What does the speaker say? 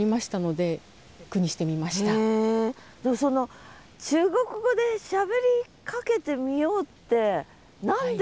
でもその中国語でしゃべりかけてみようって何で？